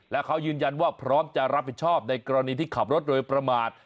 และเขายืนยันว่าพร้อมจะรับผิดชอบในกรณีที่ขับรถโดยประมาท